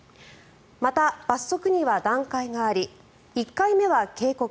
また、罰則には段階があり１回目は警告